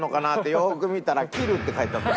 よーく見たら「Ｋｉｌｌ」って書いてあった。